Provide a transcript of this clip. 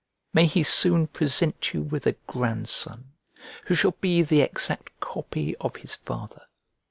May he soon present you with a grandson, who shall be the exact copy of his father!